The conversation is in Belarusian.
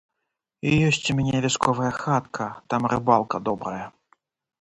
Ёсць у мяне вясковая хатка, там рыбалка добрая.